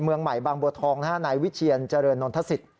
เมืองใหม่บางบัวทองนายวิเชียรเจริญนนทศิษย